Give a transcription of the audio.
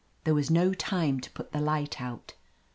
There was no time to put the light out.